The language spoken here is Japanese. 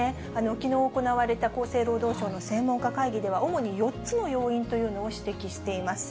きのう、行われた厚生労働省の専門家会議では、主に４つの要因というのを指摘しています。